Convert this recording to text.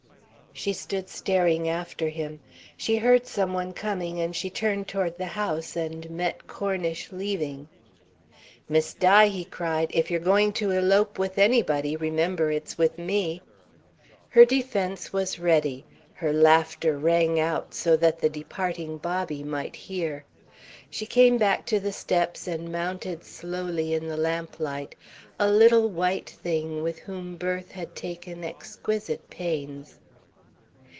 She stood staring after him. She heard some one coming and she turned toward the house, and met Cornish leaving. "Miss Di," he cried, "if you're going to elope with anybody, remember it's with me!" Her defence was ready her laughter rang out so that the departing Bobby might hear. She came back to the steps and mounted slowly in the lamplight, a little white thing with whom birth had taken exquisite pains.